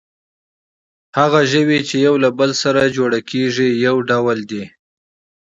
هغه ژوي، چې یو له بل سره جوړه کېږي، یوه نوعه ده.